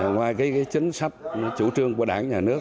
ngoài chính sách chủ trương của đảng nhà nước